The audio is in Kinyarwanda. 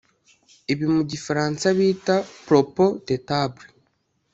ibi mu gifaransa bita “propos de table”